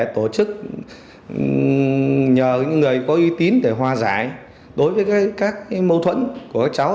tổ chức nhờ những người có uy tín để hòa giải đối với các mâu thuẫn của các cháu